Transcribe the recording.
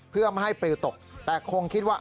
เพื่อไม่ให้ปลิวตกแต่คงคิดว่า